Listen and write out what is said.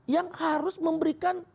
yang harus memberikan